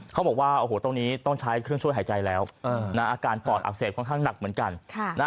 เขาบอกว่าโอ้โหตรงนี้ต้องใช้เครื่องช่วยหายใจแล้วอาการปอดอักเสบค่อนข้างหนักเหมือนกัน